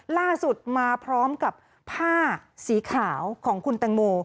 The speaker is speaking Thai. ล่าสุดมาพร้อมกับผ้าสีขาวของคุณแตงโม